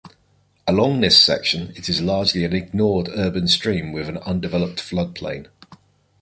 Along this section it is largely an ignored urban stream, with an undeveloped floodplain.